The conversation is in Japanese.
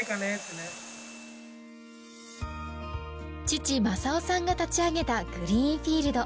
父正雄さんが立ち上げたグリーンフィールド。